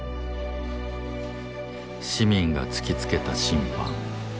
市民が突きつけた審判。